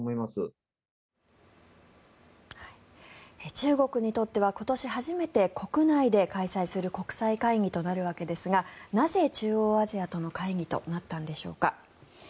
中国にとっては今年初めて国内で開催する国際会議となるわけですがなぜ、中央アジアとの会議となったのでしょうか。